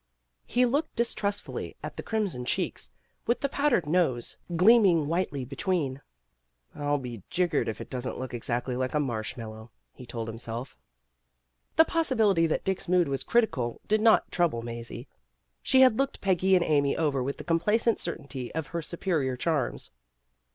He looked distrustfully at the crim son cheeks, with the powdered nose gleaming 226 PEGGY RAYMOND'S WAY whitely between. '* I '11 be 'jiggered if it doesn 't look exactly like a marshmallow, '' he told him self. The possibility that Dick's mood was critical did not trouble Mazie. She had looked Peggy and Amy over with the complacent certainty of her superior charms.